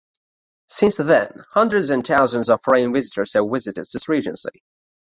Since then, hundreds of thousands of foreign visitors have visited this regency.